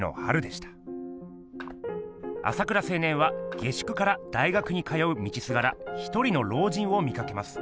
朝倉青年は下宿から大学に通う道すがらひとりの老人を見かけます。